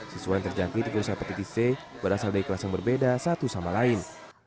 siswa yang terjangkit virus hepatitis c berasal dari kelas yang berbeda satu sama lain